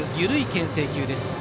けん制球でした。